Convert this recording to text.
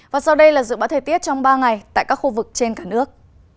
và sau đây là dự báo thời tiết trong ba ngày tại các khu vực trên cả nước